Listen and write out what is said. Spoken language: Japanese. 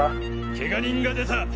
ケガ人が出た！